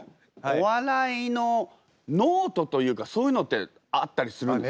お笑いのノートというかそういうのってあったりするんですか？